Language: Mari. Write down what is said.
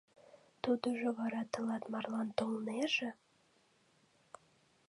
— Тудыжо вара тылат марлан толнеже?